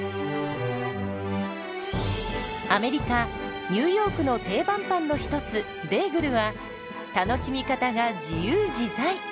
アメリカ・ニューヨークの定番パンの一つベーグルは楽しみ方が自由自在！